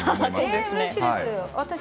うれしいです。